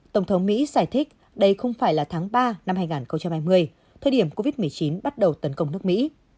tổng thống mỹ giải thích đây không phải là tháng ba năm hai nghìn hai mươi thời điểm covid một mươi chín bắt đầu tấn công nước mỹ